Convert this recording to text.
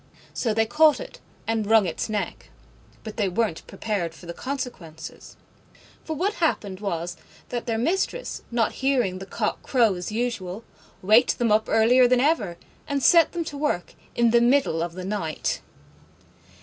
So they caught it and wrung its neck. But they weren't prepared for the consequences. For what happened was that their Mistress, not hearing the cock crow as usual, waked them up earlier than ever, and set them to work in the middle of the night.